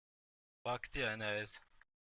Back dir ein Eis!